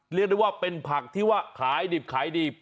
เรียกได้ว่าเป็นผักที่ว่าขายดิบขายดี